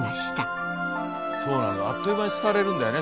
あっという間に廃れるんだよね